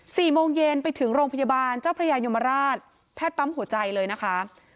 โมงเย็นไปถึงโรงพยาบาลเจ้าพระยายมราชแพทย์ปั๊มหัวใจเลยนะคะ